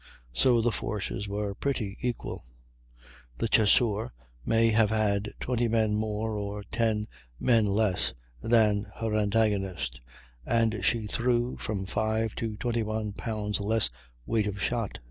So the forces were pretty equal; the Chasseur may have had 20 men more or 10 men less than her antagonist, and she threw from 5 to 21 lbs. less weight of shot.